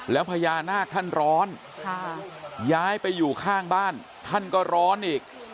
แล้วพญานาคท่านร้อนย้ายไปอยู่ข้างบ้านท่านก็ร้อนอีก